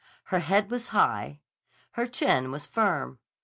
Her head was high. Her chin was firm.